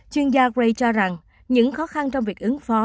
chuyên gia gray cho rằng những khó khăn trong việc ứng phó